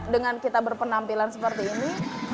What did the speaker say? dengan kita berpenampilan seperti ini